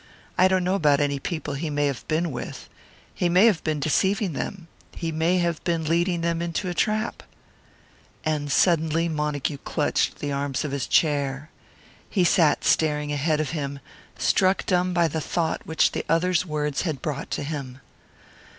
I don't know about any people he may have been with. He may have been deceiving them he may have been leading them into a trap " And suddenly Montague clutched the arms of his chair. He sat staring ahead of him, struck dumb by the thought which the other's words had brought to him.